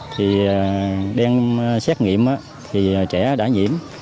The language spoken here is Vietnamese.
thì đem xét nghiệm á thì trẻ đã nhiễm